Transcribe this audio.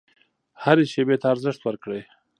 هرې شیبې ته ارزښت ورکړئ.